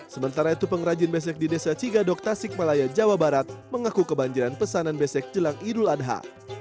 sementara itu pengrajin besek di desa cigadok tasik malaya jawa barat mengaku kebanjiran pesanan besek jelang idul adha